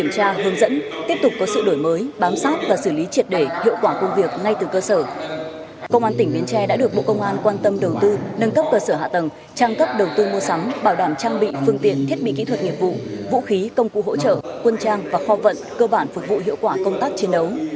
công an tỉnh bến tre đã được bộ công an quan tâm đầu tư nâng cấp cơ sở hạ tầng trang cấp đầu tư mua sắm bảo đảm trang bị phương tiện thiết bị kỹ thuật nghiệp vụ vũ khí công cụ hỗ trợ quân trang và kho vận cơ bản phục vụ hiệu quả công tác chiến đấu